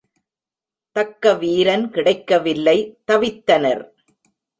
தக்க வீரன் கிடைக்கவில்லை, தவித்தனர்.